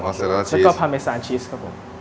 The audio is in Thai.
มอสเตอร์เลลล่าชีสแล้วก็พาเมซานชีสครับผม